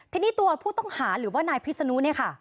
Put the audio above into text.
ทีนี้ตัวผู้ต้องหาหรือว่านายพิษนุเนี่ยค่ะ